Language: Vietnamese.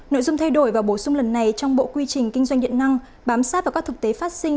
nội dung thay đổi và bổ sung lần này trong bộ quy trình kinh doanh điện năng bám sát vào các thực tế phát sinh